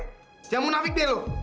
jangan munafik deh lo